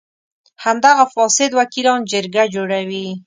همدغه فاسد وکیلان جرګه جوړوي.